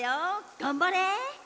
がんばれ！